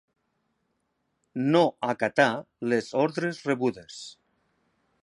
No acatà les ordres rebudes.